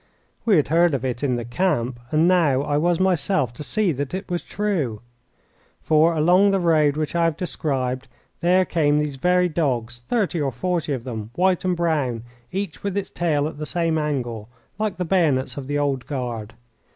We had heard of it in the camp, and now I was myself to see that it was true. For, along the road which I have described, there came these very dogs, thirty or forty of them, white and brown, each with its tail at the same angle, like the bayonets of the Old Guard.